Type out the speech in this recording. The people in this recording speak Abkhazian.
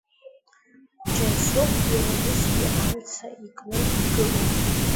Џьансыхә иара усгьы амца икны дгылоуп.